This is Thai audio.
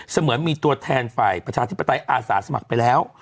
เหมือนมีตัวแทนฝ่ายประชาธิปไตยอาสาสมัครไปแล้ว